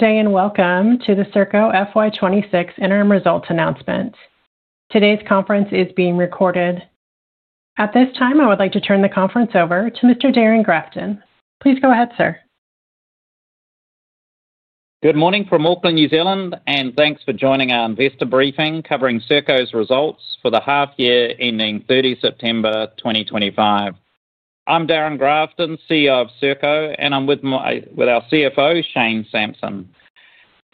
Good day and welcome to the Serko FY2026 Interim Results Announcement. Today's conference is being recorded. At this time, I would like to turn the conference over to Mr. Darrin Grafton. Please go ahead, sir. Good morning from Auckland, New Zealand, and thanks for joining our investor briefing covering Serko's results for the half-year ending 30 September 2025. I'm Darrin Grafton, CEO of Serko, and I'm with our CFO, Shane Sampson.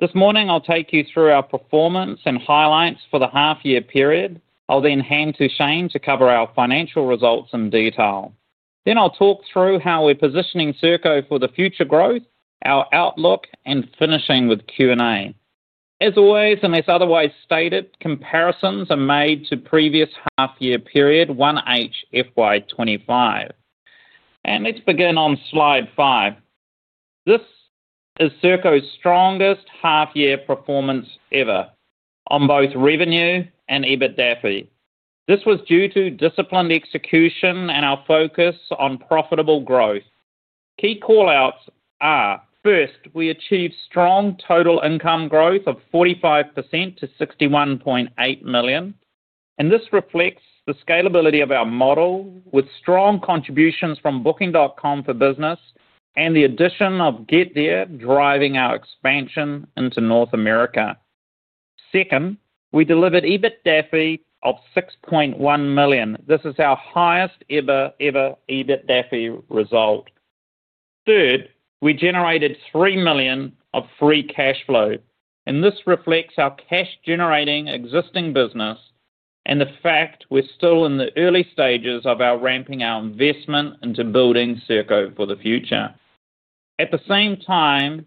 This morning, I'll take you through our performance and highlights for the half-year period. I'll then hand to Shane to cover our financial results in detail. I will talk through how we're positioning Serko for future growth, our outlook, and finishing with Q&A. As always, unless otherwise stated, comparisons are made to the previous half-year period 1H FY2025. Let's begin on slide five. This is Serko's strongest half-year performance ever on both revenue and EBITDA. This was due to disciplined execution and our focus on profitable growth. Key callouts are: first, we achieved strong total income growth of 45% to 61.8 million, and this reflects the scalability of our model with strong contributions from Booking.com for Business and the addition of GetThere driving our expansion into North America. Second, we delivered EBITDA of 6.1 million. This is our highest ever, ever EBITDA result. Third, we generated 3 million of free cash flow, and this reflects our cash-generating existing business and the fact we're still in the early stages of ramping our investment into building Serko for the future. At the same time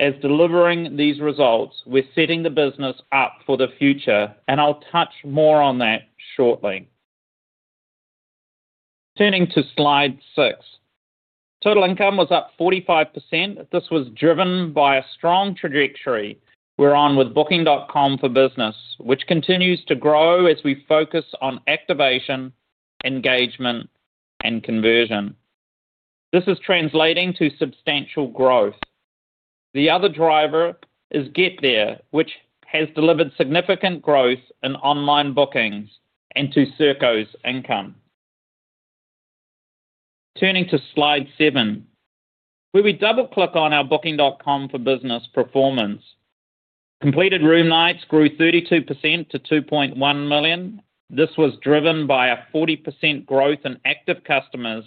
as delivering these results, we're setting the business up for the future, and I'll touch more on that shortly. Turning to slide six, total income was up 45%. This was driven by a strong trajectory we're on with Booking.com for Business, which continues to grow as we focus on activation, engagement, and conversion. This is translating to substantial growth. The other driver is GetThere, which has delivered significant growth in online bookings and to Serko's income. Turning to slide seven, where we double-click on our Booking.com for Business performance, completed room nights grew 32% to 2.1 million. This was driven by a 40% growth in active customers,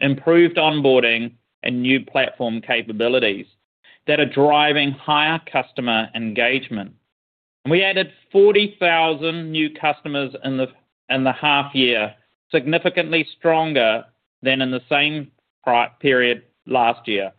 improved onboarding, and new platform capabilities that are driving higher customer engagement. We added 40,000 new customers in the half-year, significantly stronger than in the same period last year.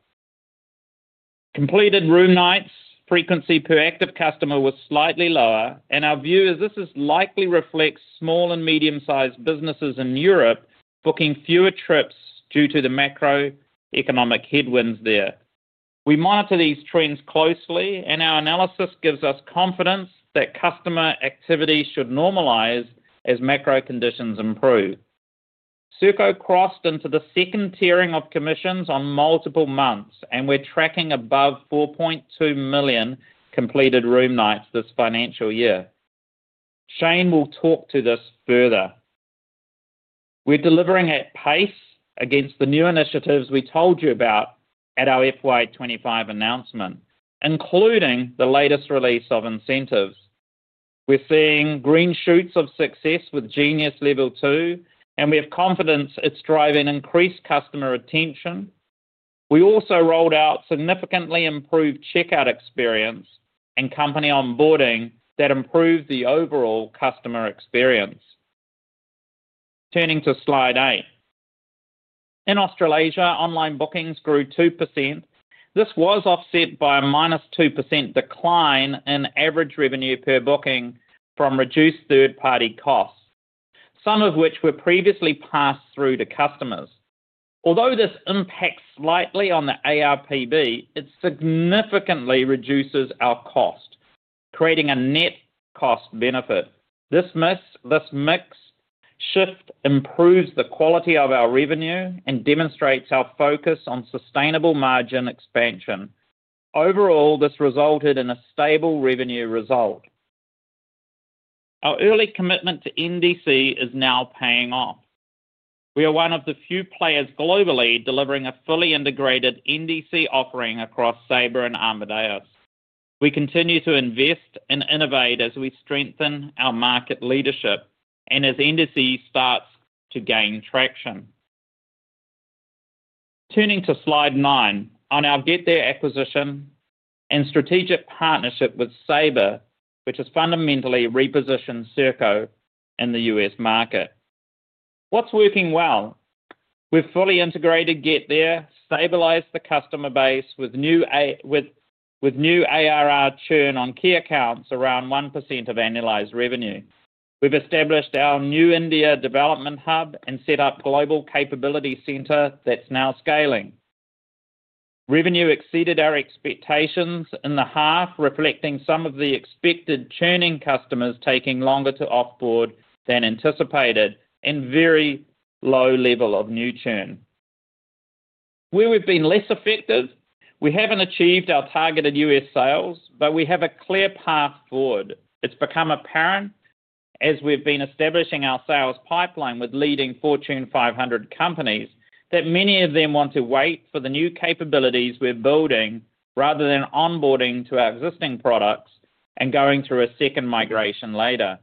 Completed room nights frequency per active customer was slightly lower, and our view is this likely reflects small and medium-sized businesses in Europe booking fewer trips due to the macroeconomic headwinds there. We monitor these trends closely, and our analysis gives us confidence that customer activity should normalize as macro conditions improve. Serko crossed into the second tiering of commissions on multiple months, and we're tracking above 4.2 million completed room nights this financial year. Shane will talk to this further. We're delivering at pace against the new initiatives we told you about at our FY2025 announcement, including the latest release of incentives. We're seeing green shoots of success with Genius Level Two, and we have confidence it's driving increased customer retention. We also rolled out significantly improved checkout experience and company onboarding that improved the overall customer experience. Turning to slide eight, in Australasia, online bookings grew 2%. This was offset by a -2% decline in average revenue per booking from reduced third-party costs, some of which were previously passed through to customers. Although this impacts slightly on the ARPB, it significantly reduces our cost, creating a net cost benefit. This mix shift improves the quality of our revenue and demonstrates our focus on sustainable margin expansion. Overall, this resulted in a stable revenue result. Our early commitment to NDC is now paying off. We are one of the few players globally delivering a fully integrated NDC offering across Sabre and Amadeus. We continue to invest and innovate as we strengthen our market leadership and as NDC starts to gain traction. Turning to slide nine, on our GetThere acquisition and strategic partnership with Sabre, which has fundamentally repositioned Serko in the U.S. market. What's working well? We've fully integrated GetThere, stabilized the customer base with new ARR churn on key accounts around 1% of annualized revenue. We've established our New India Development Hub and set up a global capability center that's now scaling. Revenue exceeded our expectations in the half, reflecting some of the expected churning customers taking longer to offboard than anticipated and a very low level of new churn. Where we've been less effective, we haven't achieved our targeted U.S. sales, but we have a clear path forward. It has become apparent as we've been establishing our sales pipeline with leading Fortune 500 companies that many of them want to wait for the new capabilities we're building rather than onboarding to our existing products and going through a second migration later.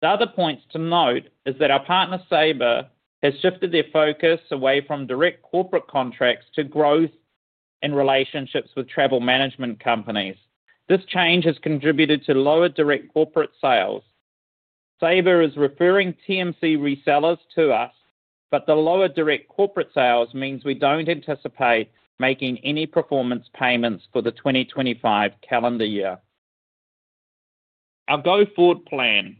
The other point to note is that our partner, Sabre, has shifted their focus away from direct corporate contracts to growth and relationships with travel management companies. This change has contributed to lower direct corporate sales. Sabre is referring TMC resellers to us, but the lower direct corporate sales means we don't anticipate making any performance payments for the 2025 calendar year. Our go-forward plan.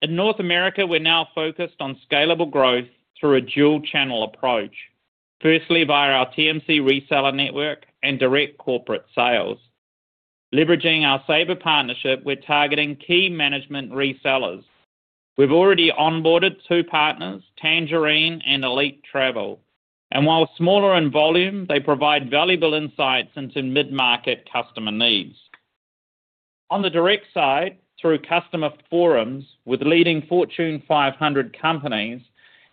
In North America, we're now focused on scalable growth through a dual-channel approach, firstly via our TMC reseller network and direct corporate sales. Leveraging our Sabre partnership, we're targeting key management resellers. We've already onboarded two partners, Tangerine and Elite Travel, and while smaller in volume, they provide valuable insights into mid-market customer needs. On the direct side, through customer forums with leading Fortune 500 companies,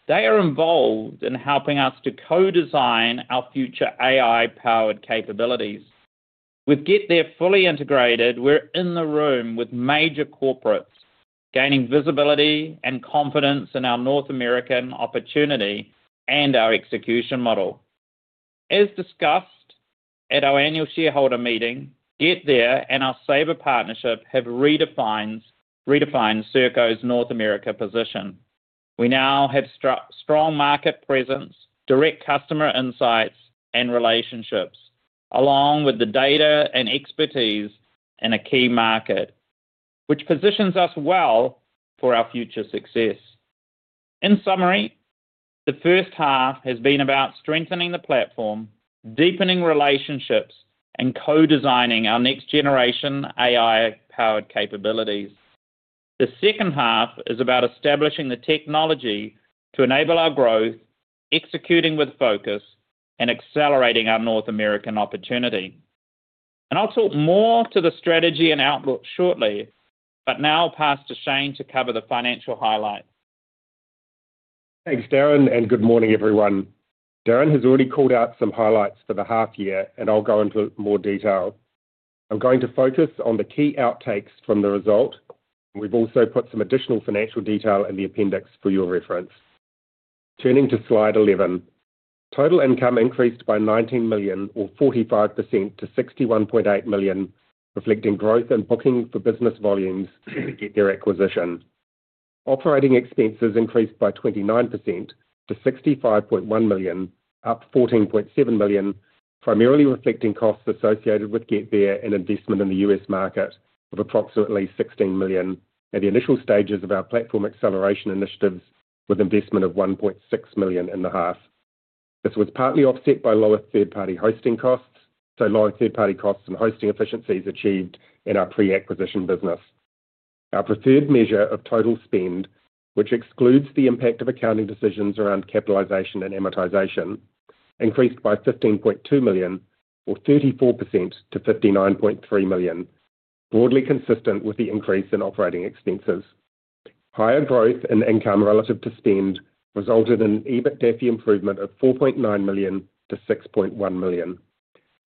they are involved in helping us to co-design our future AI-powered capabilities. With GetThere fully integrated, we're in the room with major corporates, gaining visibility and confidence in our North American opportunity and our execution model. As discussed at our annual shareholder meeting, GetThere and our Sabre partnership have redefined Serko's North America position. We now have strong market presence, direct customer insights, and relationships, along with the data and expertise in a key market, which positions us well for our future success. In summary, the first half has been about strengthening the platform, deepening relationships, and co-designing our next-generation AI-powered capabilities. The second half is about establishing the technology to enable our growth, executing with focus, and accelerating our North American opportunity. I will talk more to the strategy and outlook shortly, but now I will pass to Shane to cover the financial highlights. Thanks, Darrin, and good morning, everyone. Darrin has already called out some highlights for the half-year, and I'll go into more detail. I'm going to focus on the key outtakes from the result. We've also put some additional financial detail in the appendix for your reference. Turning to slide 11, total income increased by 19 million, or 45% to 61.8 million, reflecting growth in Booking for Business volumes and GetThere acquisition. Operating expenses increased by 29% to 65.1 million, up 14.7 million, primarily reflecting costs associated with GetThere and investment in the US market of approximately 16 million, and the initial stages of our platform acceleration initiatives with investment of 1.6 million in the half. This was partly offset by lower third-party hosting costs, so lower third-party costs and hosting efficiencies achieved in our pre-acquisition business. Our preferred measure of total spend, which excludes the impact of accounting decisions around capitalization and amortization, increased by 15.2 million, or 34% to 59.3 million, broadly consistent with the increase in operating expenses. Higher growth in income relative to spend resulted in EBITDA improvement of 4.9 million to 6.1 million.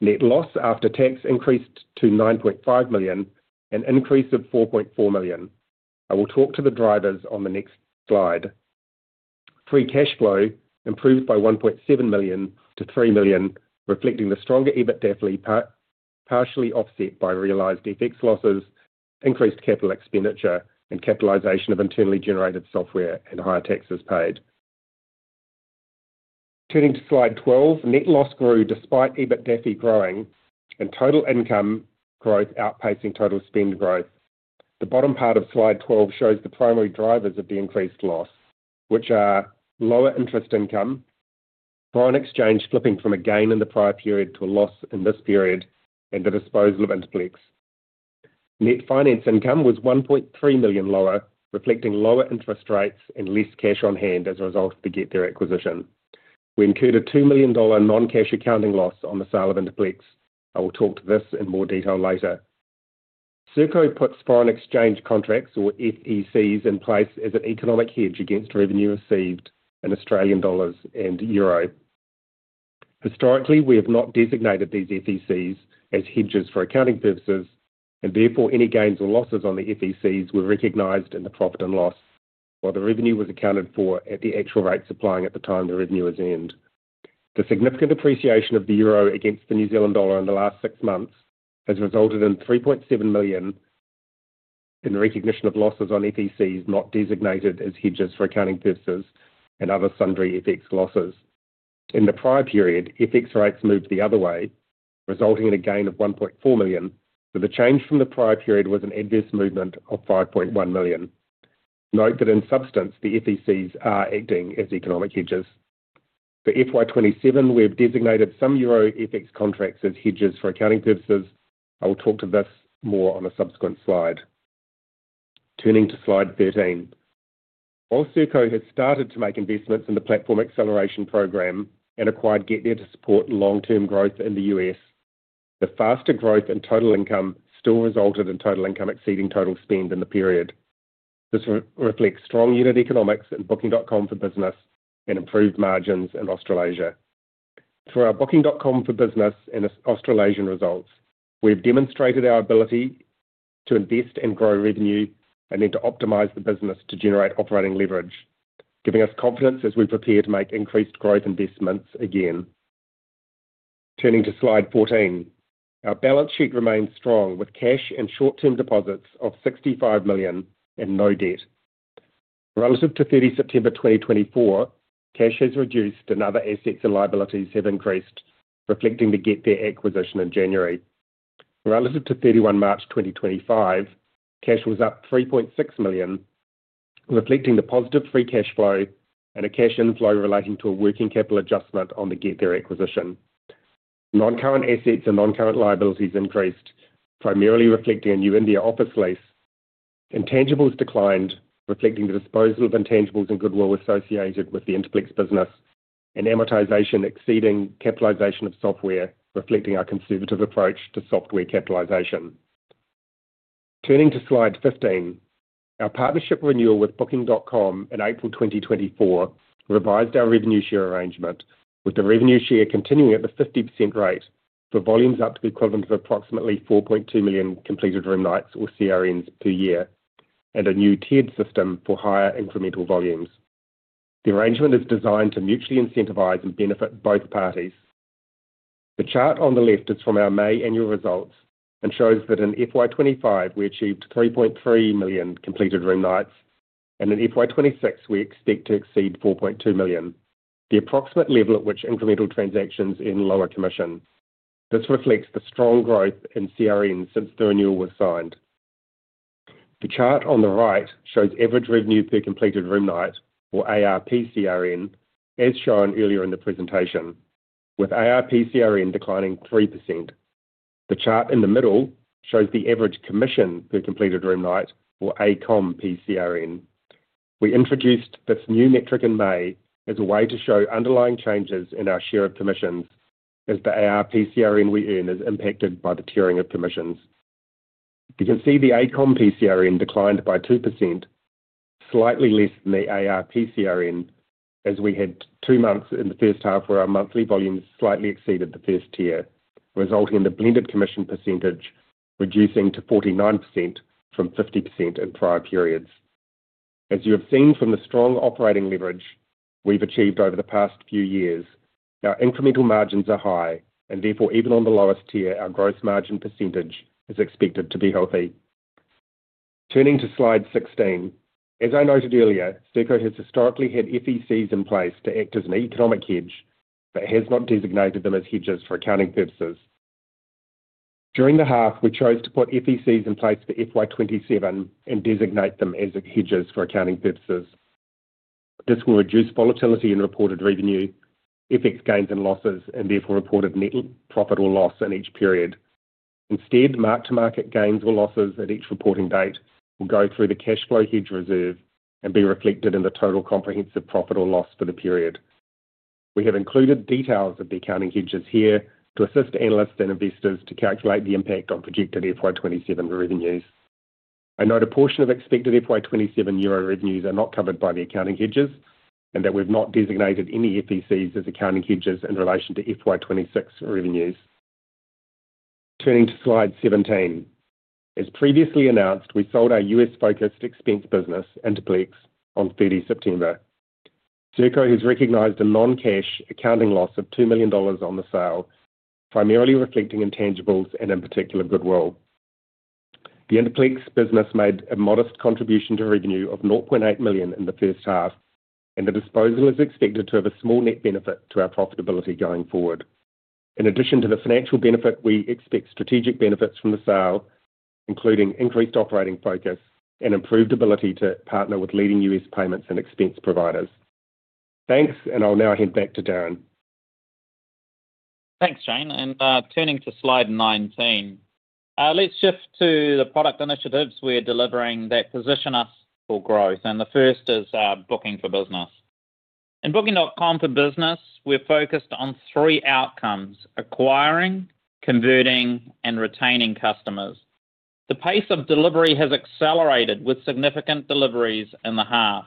Net loss after tax increased to 9.5 million and increased to 4.4 million. I will talk to the drivers on the next slide. Free cash flow improved by 1.7 million to 3 million, reflecting the stronger EBITDA partially offset by realized FX losses, increased capital expenditure, and capitalization of internally generated software and higher taxes paid. Turning to slide 12, net loss grew despite EBITDA growing and total income growth outpacing total spend growth. The bottom part of slide 12 shows the primary drivers of the increased loss, which are lower interest income, foreign exchange flipping from a gain in the prior period to a loss in this period, and the disposal of InterplX. Net finance income was 1.3 million lower, reflecting lower interest rates and less cash on hand as a result of the GetThere acquisition. We incurred a 2 million dollar non-cash accounting loss on the sale of InterplX. I will talk to this in more detail later. Serko puts foreign exchange contracts, or FECs, in place as an economic hedge against revenue received in AUD and EUR. Historically, we have not designated these FECs as hedges for accounting purposes, and therefore any gains or losses on the FECs were recognized in the profit and loss, while the revenue was accounted for at the actual rates applying at the time the revenue was earned. The significant appreciation of the EUR against the NZD in the last six months has resulted in 3.7 million in recognition of losses on FECs not designated as hedges for accounting purposes and other sundry FX losses. In the prior period, FX rates moved the other way, resulting in a gain of 1.4 million, but the change from the prior period was an adverse movement of 5.1 million. Note that in substance, the FECs are acting as economic hedges. For FY2027, we have designated some EUR FX contracts as hedges for accounting purposes. I will talk to this more on a subsequent slide. Turning to slide 13, while Serko has started to make investments in the platform acceleration program and acquired GetThere to support long-term growth in the U.S., the faster growth in total income still resulted in total income exceeding total spend in the period. This reflects strong unit economics in Booking.com for Business and improved margins in Australasia. Through our Booking.com for Business and Australasian results, we have demonstrated our ability to invest and grow revenue and then to optimize the business to generate operating leverage, giving us confidence as we prepare to make increased growth investments again. Turning to slide 14, our balance sheet remains strong with cash and short-term deposits of 65 million and no debt. Relative to 30 September 2024, cash has reduced and other assets and liabilities have increased, reflecting the GetThere acquisition in January. Relative to 31 March 2025, cash was up 3.6 million, reflecting the positive free cash flow and a cash inflow relating to a working capital adjustment on the GetThere acquisition. Non-current assets and non-current liabilities increased, primarily reflecting a new India office lease. Intangibles declined, reflecting the disposal of intangibles and goodwill associated with the InterpIx business and amortization exceeding capitalization of software, reflecting our conservative approach to software capitalization. Turning to slide 15, our partnership renewal with Booking.com in April 2024 revised our revenue share arrangement, with the revenue share continuing at the 50% rate for volumes up to the equivalent of approximately 4.2 million completed room nights, or CRNs, per year, and a new tiered system for higher incremental volumes. The arrangement is designed to mutually incentivize and benefit both parties. The chart on the left is from our May annual results and shows that in FY2025 we achieved 3.3 million completed room nights, and in FY2026 we expect to exceed 4.2 million, the approximate level at which incremental transactions earn lower commission. This reflects the strong growth in CRNs since the renewal was signed. The chart on the right shows average revenue per completed room night, or ARPCRN, as shown earlier in the presentation, with ARPCRN declining 3%. The chart in the middle shows the average commission per completed room night, or ACOMPCRN. We introduced this new metric in May as a way to show underlying changes in our share of commissions as the ARPCRN we earn is impacted by the tiering of commissions. You can see the ACOMPCRN declined by 2%, slightly less than the ARPCRN, as we had two months in the first half where our monthly volumes slightly exceeded the first tier, resulting in the blended commission percentage reducing to 49% from 50% in prior periods. As you have seen from the strong operating leverage we've achieved over the past few years, our incremental margins are high, and therefore even on the lowest tier, our gross margin percentage is expected to be healthy. Turning to slide 16, as I noted earlier, Serko has historically had FECs in place to act as an economic hedge but has not designated them as hedges for accounting purposes. During the half, we chose to put FECs in place for FY2027 and designate them as hedges for accounting purposes. This will reduce volatility in reported revenue, FX gains and losses, and therefore reported net profit or loss in each period. Instead, marked-to-market gains or losses at each reporting date will go through the cash flow hedge reserve and be reflected in the total comprehensive profit or loss for the period. We have included details of the accounting hedges here to assist analysts and investors to calculate the impact on projected FY2027 revenues. I note a portion of expected FY2027 EUR revenues are not covered by the accounting hedges and that we've not designated any FECs as accounting hedges in relation to FY2026 revenues. Turning to slide 17, as previously announced, we sold our U.S.-focused expense business, InterplX, on 30 September. Serko has recognized a non-cash accounting loss of $2 million on the sale, primarily reflecting intangibles and in particular goodwill. The InterplX business made a modest contribution to revenue of 0.8 million in the first half, and the disposal is expected to have a small net benefit to our profitability going forward. In addition to the financial benefit, we expect strategic benefits from the sale, including increased operating focus and improved ability to partner with leading U.S. payments and expense providers. Thanks, and I'll now hand back to Darrin. Thanks, Shane, and turning to slide 19, let's shift to the product initiatives we're delivering that position us for growth. The first is Booking.com for Business. In Booking.com for Business, we're focused on three outcomes: acquiring, converting, and retaining customers. The pace of delivery has accelerated with significant deliveries in the half.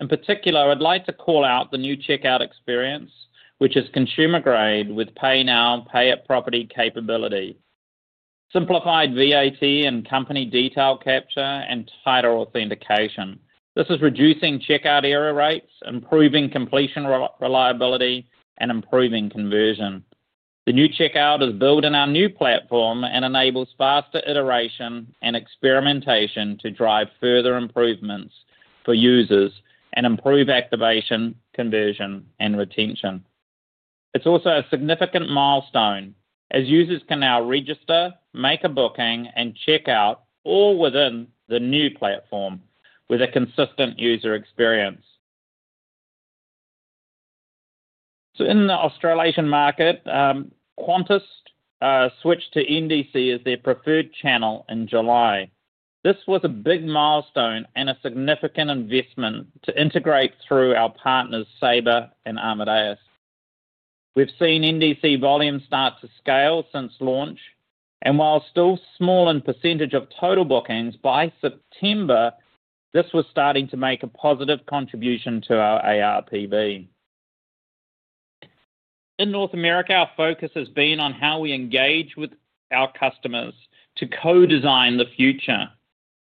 In particular, I'd like to call out the new checkout experience, which is consumer-grade with pay now, pay at property capability, simplified VAT and company detail capture, and tighter authentication. This is reducing checkout error rates, improving completion reliability, and improving conversion. The new checkout is built in our new platform and enables faster iteration and experimentation to drive further improvements for users and improve activation, conversion, and retention. It's also a significant milestone as users can now register, make a booking, and checkout all within the new platform with a consistent user experience. In the Australasian market, Qantas switched to NDC as their preferred channel in July. This was a big milestone and a significant investment to integrate through our partners, Sabre and Amadeus. We've seen NDC volumes start to scale since launch, and while still small in percentage of total bookings, by September this was starting to make a positive contribution to our ARPB. In North America, our focus has been on how we engage with our customers to co-design the future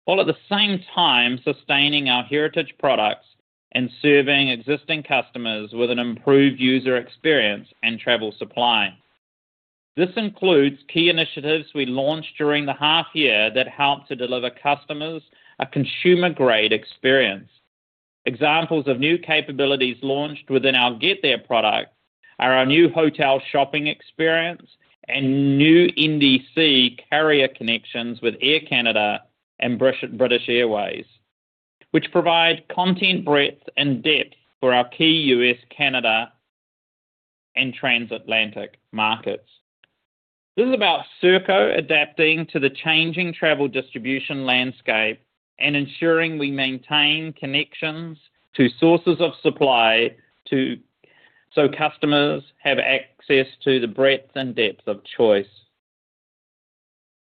while at the same time sustaining our heritage products and serving existing customers with an improved user experience and travel supply. This includes key initiatives we launched during the half-year that help to deliver customers a consumer-grade experience. Examples of new capabilities launched within our GetThere product are our new hotel shopping experience and new NDC carrier connections with Air Canada and British Airways, which provide content breadth and depth for our key U.S., Canada, and transatlantic markets. This is about Serko adapting to the changing travel distribution landscape and ensuring we maintain connections to sources of supply so customers have access to the breadth and depth of choice.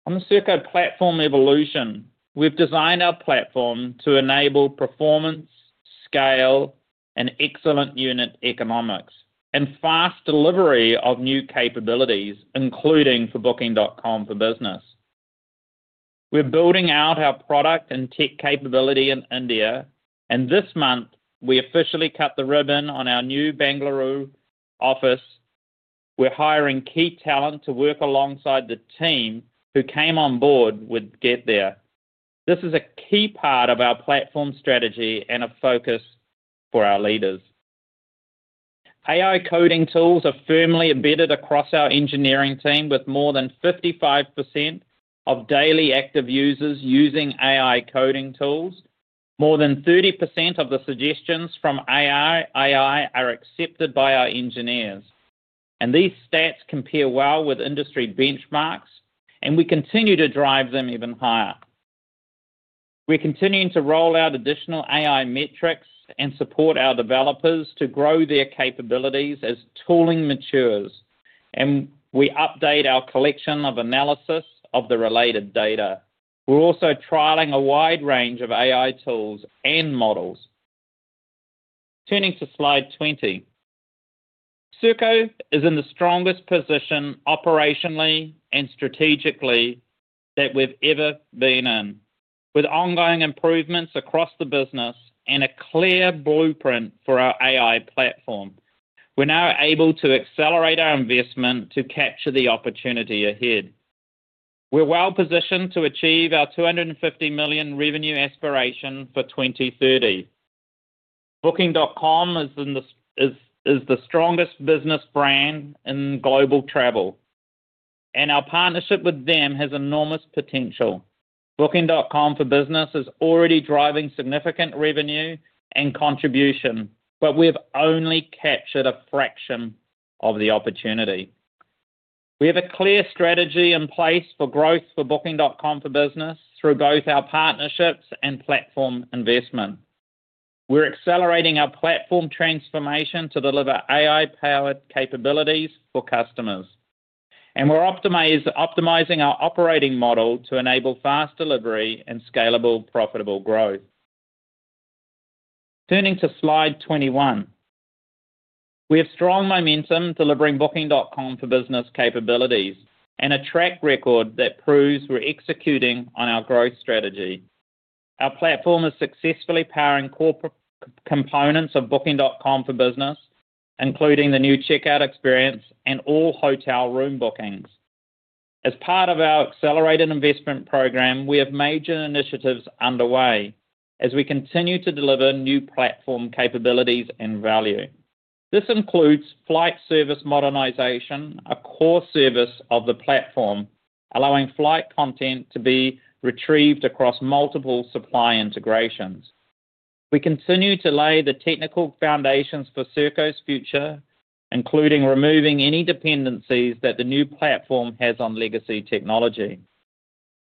On the Serko platform evolution, we've designed our platform to enable performance, scale, and excellent unit economics and fast delivery of new capabilities, including for Booking.com for Business. We're building out our product and tech capability in India, and this month we officially cut the ribbon on our new Bengaluru office. We're hiring key talent to work alongside the team who came on board with GetThere. This is a key part of our platform strategy and a focus for our leaders. AI coding tools are firmly embedded across our engineering team, with more than 55% of daily active users using AI coding tools. More than 30% of the suggestions from AI are accepted by our engineers, and these stats compare well with industry benchmarks, and we continue to drive them even higher. We're continuing to roll out additional AI metrics and support our developers to grow their capabilities as tooling matures, and we update our collection of analysis of the related data. We're also trialing a wide range of AI tools and models. Turning to slide 20, Serko is in the strongest position operationally and strategically that we've ever been in. With ongoing improvements across the business and a clear blueprint for our AI platform, we're now able to accelerate our investment to capture the opportunity ahead. We're well positioned to achieve our 250 million revenue aspiration for 2030. Booking.com is the strongest business brand in global travel, and our partnership with them has enormous potential. Booking.com for Business is already driving significant revenue and contribution, but we've only captured a fraction of the opportunity. We have a clear strategy in place for growth for Booking.com for Business through both our partnerships and platform investment. We're accelerating our platform transformation to deliver AI-powered capabilities for customers, and we're optimizing our operating model to enable fast delivery and scalable, profitable growth. Turning to slide 21, we have strong momentum delivering Booking.com for Business capabilities and a track record that proves we're executing on our growth strategy. Our platform is successfully powering core components of Booking.com for Business, including the new checkout experience and all hotel room bookings. As part of our accelerated investment program, we have major initiatives underway as we continue to deliver new platform capabilities and value. This includes flight service modernization, a core service of the platform, allowing flight content to be retrieved across multiple supply integrations. We continue to lay the technical foundations for Serko's future, including removing any dependencies that the new platform has on legacy technology.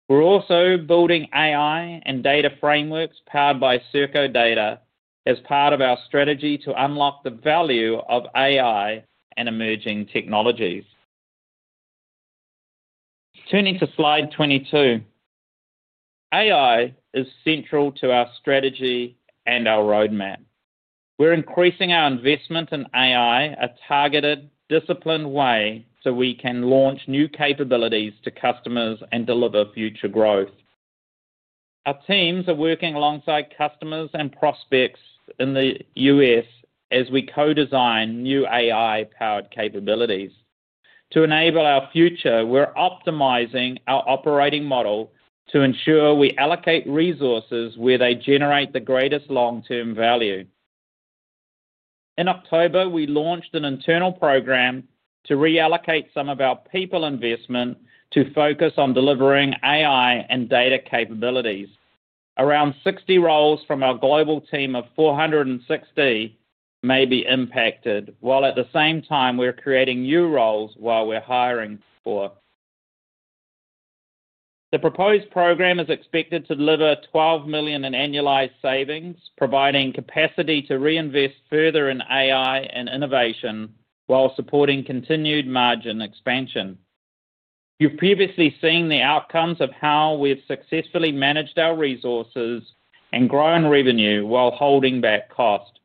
We're also building AI and data frameworks powered by Serko data as part of our strategy to unlock the value of AI and emerging technologies. Turning to slide 22, AI is central to our strategy and our roadmap. We're increasing our investment in AI, a targeted, disciplined way so we can launch new capabilities to customers and deliver future growth. Our teams are working alongside customers and prospects in the U.S. as we co-design new AI-powered capabilities. To enable our future, we're optimizing our operating model to ensure we allocate resources where they generate the greatest long-term value. In October, we launched an internal program to reallocate some of our people investment to focus on delivering AI and data capabilities. Around 60 roles from our global team of 460 may be impacted, while at the same time we're creating new roles we're hiring for. The proposed program is expected to deliver 12 million in annualized savings, providing capacity to reinvest further in AI and innovation while supporting continued margin expansion. You've previously seen the outcomes of how we've successfully managed our resources and grown revenue while holding back cost.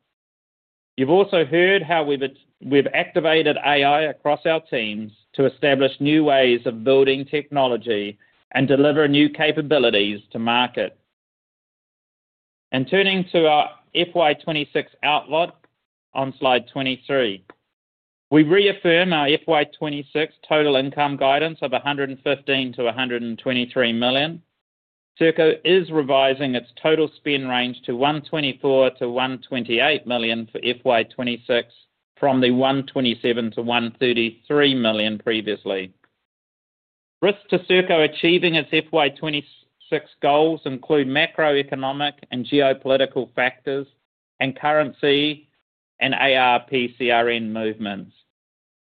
You've also heard how we've activated AI across our teams to establish new ways of building technology and deliver new capabilities to market. Turning to our FY2026 outlook on slide 23, we reaffirm our FY2026 total income guidance of 115 million-123 million. Serko is revising its total spend range to 124 million-128 million for FY2026 from the 127 million-133 million previously. Risks to Serko achieving its FY2026 goals include macroeconomic and geopolitical factors and currency and ARPCRN movements.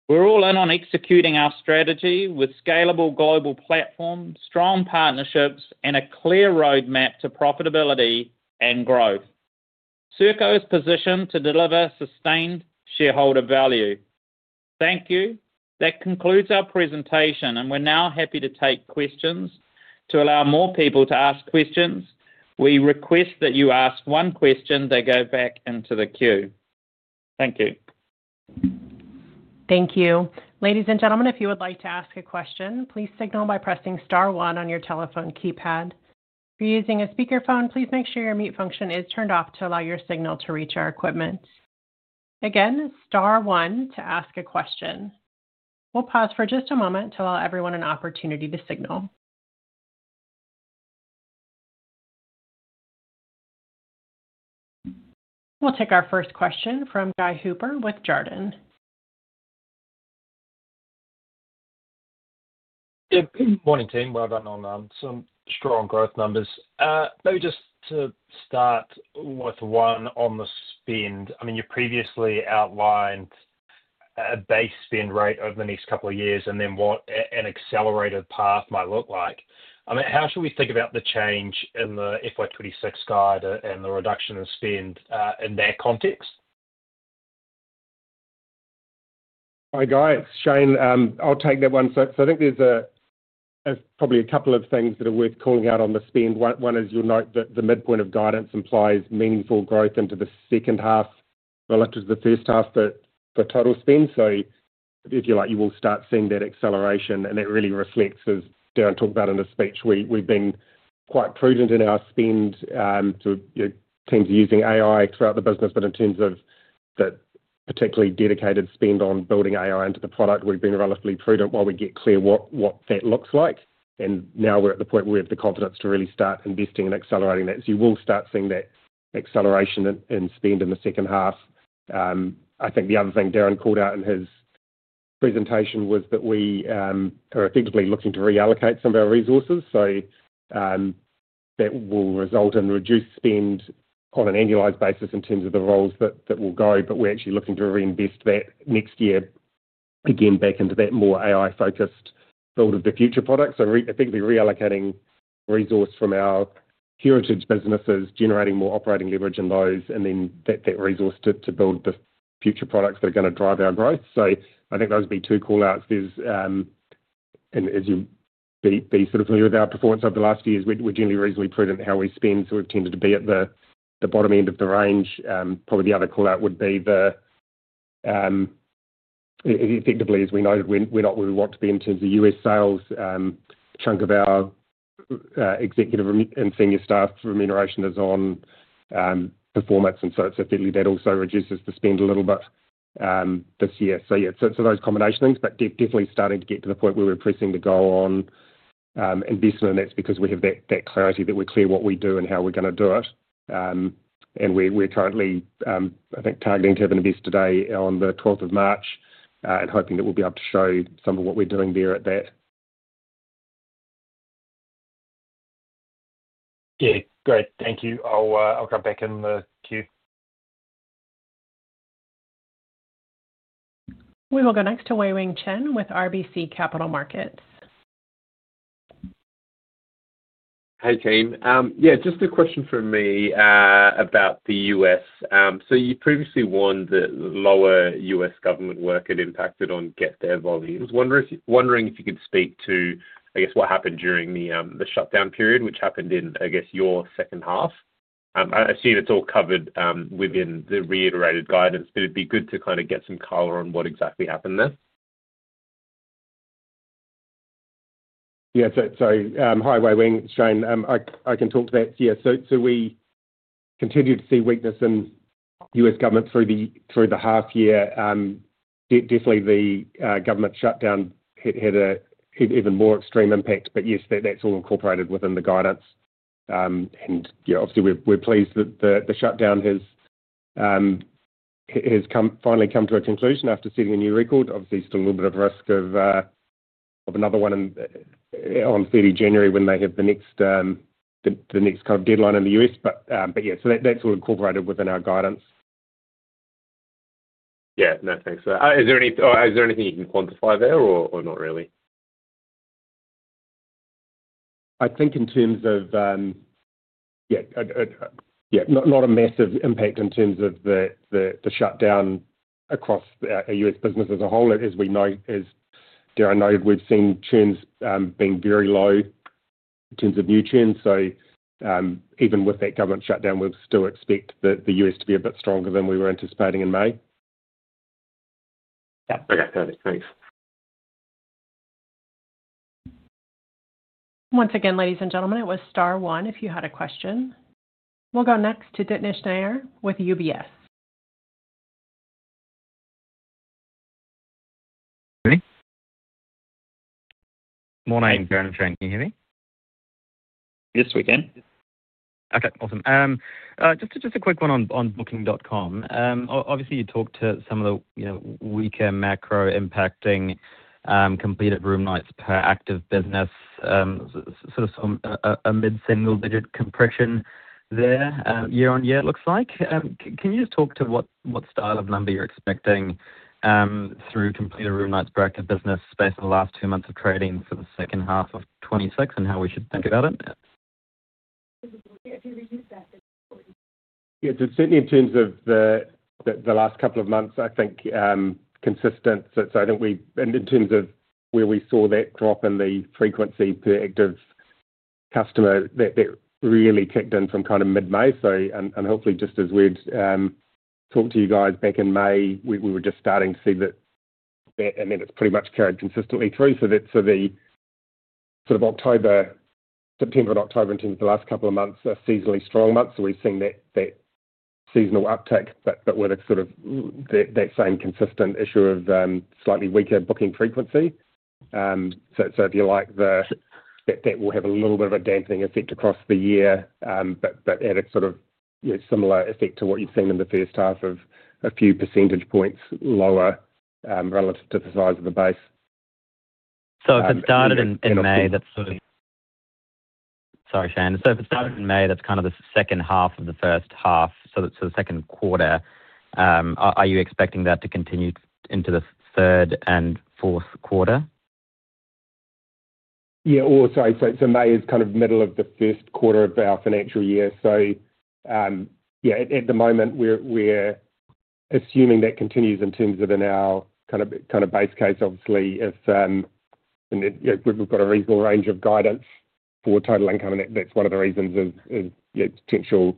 We're all in on executing our strategy with scalable global platforms, strong partnerships, and a clear roadmap to profitability and growth. Serko is positioned to deliver sustained shareholder value. Thank you. That concludes our presentation, and we're now happy to take questions. To allow more people to ask questions, we request that you ask one question then go back into the queue. Thank you. Thank you. Ladies and gentlemen, if you would like to ask a question, please signal by pressing star one on your telephone keypad. If you're using a speakerphone, please make sure your mute function is turned off to allow your signal to reach our equipment. Again, star one to ask a question. We'll pause for just a moment to allow everyone an opportunity to signal. We'll take our first question from Guy Hooper with Jarden. Yeah, good morning, team. Well done on some strong growth numbers. Maybe just to start with one on the spend. I mean, you previously outlined a base spend rate over the next couple of years and then what an accelerated path might look like. I mean, how should we think about the change in the FY2026 guide and the reduction in spend in that context? Hi, Guy. It's Shane. I'll take that one. I think there's probably a couple of things that are worth calling out on the spend. One is you'll note that the midpoint of guidance implies meaningful growth into the second half, up to the first half for total spend. If you like, you will start seeing that acceleration, and that really reflects, as Darrin talked about in his speech, we've been quite prudent in our spend. Teams are using AI throughout the business, but in terms of the particularly dedicated spend on building AI into the product, we've been relatively prudent while we get clear what that looks like. Now we're at the point where we have the confidence to really start investing and accelerating that. You will start seeing that acceleration in spend in the second half. I think the other thing Darrin called out in his presentation was that we are effectively looking to reallocate some of our resources. That will result in reduced spend on an annualized basis in terms of the roles that will go, but we're actually looking to reinvest that next year again back into that more AI-focused build of the future product. Effectively reallocating resource from our heritage businesses, generating more operating leverage in those, and then that resource to build the future products that are going to drive our growth. I think those would be two callouts. As you be sort of familiar with our performance over the last few years, we're generally reasonably prudent in how we spend, so we've tended to be at the bottom end of the range. Probably the other callout would be the, effectively, as we noted, we're not where we want to be in terms of U.S. sales. A chunk of our executive and senior staff remuneration is on performance, and so it's effectively that also reduces the spend a little bit this year. Yeah, those combination things, but definitely starting to get to the point where we're pressing the goal on investment, and that's because we have that clarity that we're clear what we do and how we're going to do it. We're currently, I think, targeting to have an event today on the 12th of March and hoping that we'll be able to show some of what we're doing there at that. Yeah, great. Thank you. I'll cut back in the queue. We will go next to Wei-Weng Chen with RBC Capital Markets. Hey, team. Yeah, just a question from me about the U.S. You previously warned that lower U.S. government work had impacted on GetThere volumes. Wondering if you could speak to, I guess, what happened during the shutdown period, which happened in, I guess, your second half. I assume it's all covered within the reiterated guidance, but it'd be good to kind of get some color on what exactly happened there. Yeah, so hi, Wei-Wing. Shane, I can talk to that. Yeah, so we continue to see weakness in U.S. government through the half year. Definitely, the government shutdown had an even more extreme impact, but yes, that's all incorporated within the guidance. Yeah, obviously, we're pleased that the shutdown has finally come to a conclusion after setting a new record. Obviously, still a little bit of risk of another one on 30 January when they have the next kind of deadline in the U.S. Yeah, so that's all incorporated within our guidance. Yeah, no, thanks. Is there anything you can quantify there or not really? I think in terms of, yeah, not a massive impact in terms of the shutdown across our U.S. business as a whole. As Darrin noted, we've seen churns being very low in terms of new churns. So even with that government shutdown, we'll still expect the U.S. to be a bit stronger than we were anticipating in May. Yeah. Okay, perfect. Thanks. Once again, ladies and gentlemen, it was star one if you had a question. We'll go next to Vignesh Nair with UBS. Morning. Darrin Grafton, can you hear me? Yes, we can. Okay, awesome. Just a quick one on Booking.com. Obviously, you talked to some of the weaker macro-impacting completed room nights per active business, sort of a mid-single-digit compression there year on year, it looks like. Can you just talk to what style of number you're expecting through completed room nights per active business based on the last two months of trading for the second half of 2026 and how we should think about it? Yeah, certainly in terms of the last couple of months, I think consistent. I think in terms of where we saw that drop in the frequency per active customer, that really kicked in from kind of mid-May. Hopefully, just as we'd talked to you guys back in May, we were just starting to see that, and then it's pretty much carried consistently through. The sort of September and October in terms of the last couple of months are seasonally strong months. We've seen that seasonal uptick, but with that same consistent issue of slightly weaker booking frequency. If you like, that will have a little bit of a dampening effect across the year, but at a similar effect to what you've seen in the first half of a few percentage points lower relative to the size of the base. If it started in May, that's sort of—sorry, Shane. If it started in May, that's kind of the second half of the first half, so the second quarter. Are you expecting that to continue into the third and fourth quarter? Yeah, or sorry. May is kind of middle of the first quarter of our financial year. Yeah, at the moment, we're assuming that continues in terms of in our kind of base case. Obviously, we've got a reasonable range of guidance for total income, and that's one of the reasons is potential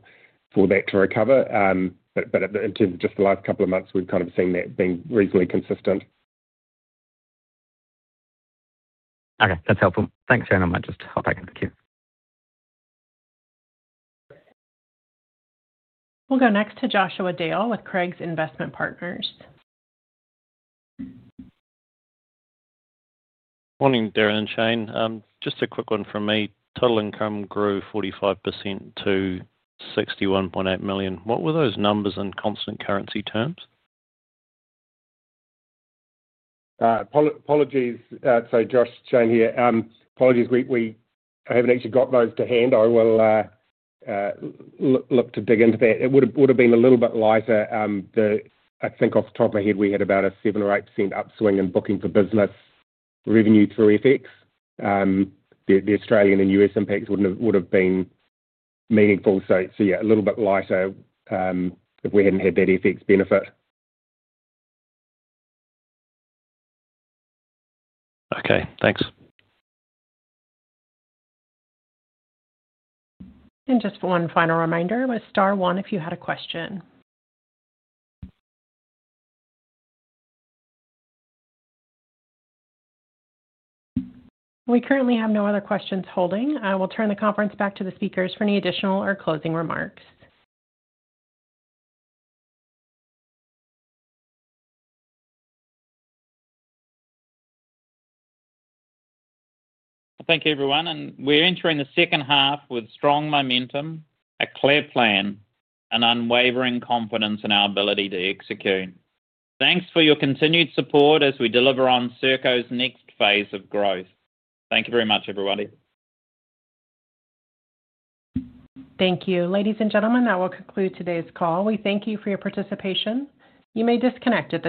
for that to recover. In terms of just the last couple of months, we've kind of seen that being reasonably consistent. Okay, that's helpful. Thanks, Shane. I might just hop back into the queue. We'll go next to Joshua Dale with Craigs Investment Partners. Morning, Darrin and Shane. Just a quick one from me. Total income grew 45% to 61.8 million. What were those numbers in constant currency terms? Apologies. So Josh, Shane here. Apologies. We haven't actually got those to hand. I will look to dig into that. It would have been a little bit lighter. I think off the top of my head, we had about a 7%-8% upswing in Booking.com for Business revenue through FX. The Australian and U.S. impacts would have been meaningful. Yeah, a little bit lighter if we hadn't had that FX benefit. Okay, thanks. Just one final reminder with star one if you had a question. We currently have no other questions holding. We'll turn the conference back to the speakers for any additional or closing remarks. Thank you, everyone. We are entering the second half with strong momentum, a clear plan, and unwavering confidence in our ability to execute. Thanks for your continued support as we deliver on Serko's next phase of growth. Thank you very much, everybody. Thank you. Ladies and gentlemen, that will conclude today's call. We thank you for your participation. You may disconnect at this time.